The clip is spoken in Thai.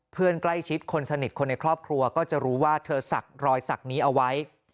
เพื่อนใกล้ชิดคนสนิทคนในครอบครัวก็จะรู้ว่าเธอศักดิ์รอยสักนี้เอาไว้